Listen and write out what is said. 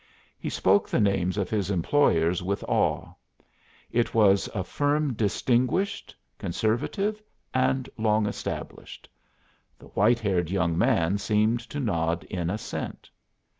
He spoke the names of his employers with awe. It was a firm distinguished, conservative, and long established. The white haired young man seemed to nod in assent.